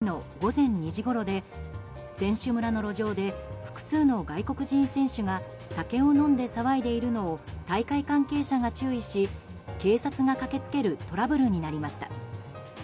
飲酒騒ぎが起きたのは先月３１日の午前２時ごろで選手村の路上で複数の外国人選手が酒を飲んで騒いでいるのを大会関係者が注意し警察が駆けつけるトラブルになりました。